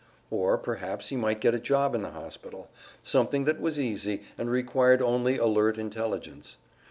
Or perhaps he might get a job in the hospital, something that was easy, and required only alert intelligence.